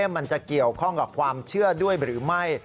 มันจะเกี่ยวข้องกับความเชื่อด้วยหรือไม่